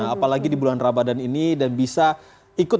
apalagi di bulan ramadan ini dan bisa ikut